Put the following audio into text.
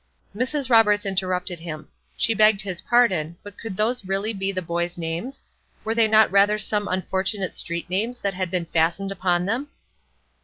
Mrs. Roberts interrupted him. She begged his pardon, but could those really be the boys names? Were they not rather some unfortunate street names that had been fastened upon them?